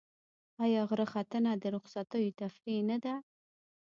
آیا غره ختنه د رخصتیو تفریح نه ده؟